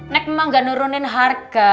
nek memang gak nurunin harga